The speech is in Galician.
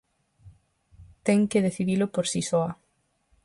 Ten que decidilo por si soa.